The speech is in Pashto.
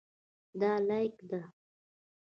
دا لاییک ده.